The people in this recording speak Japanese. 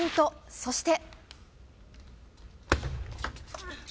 そして。